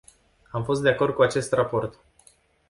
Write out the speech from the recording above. Am fost de acord cu acest raport.